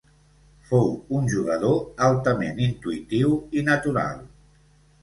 Fou un jugador altament intuïtiu i natural.